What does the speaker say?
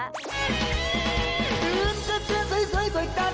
ดื่นดื่นดื่นสวยสวยสวยกัน